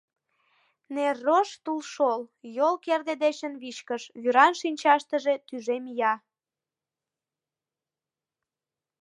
Неррож — тулшол, йол — керде дечын вичкыж, вӱран шинчаштыже тӱжем ия!..